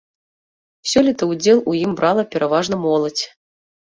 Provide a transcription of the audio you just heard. Сёлета ўдзел у ім брала пераважна моладзь.